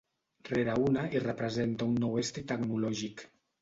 Rere una i representa un nou estri tecnològic.